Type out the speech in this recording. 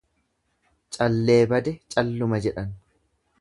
Callee bade, calluma jedhan.